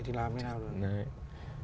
thì làm thế nào rồi